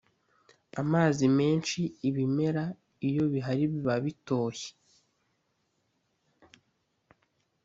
amazi menshi Ibimera iyo bihari biba bitoshye.